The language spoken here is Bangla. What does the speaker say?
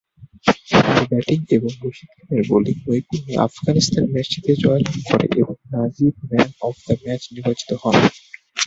তার ব্যাটিং এবং রশিদ খানের বোলিং নৈপুণ্যে আফগানিস্তান ম্যাচটিতে জয়লাভ করে এবং Najib man of the match নির্বাচিত হন।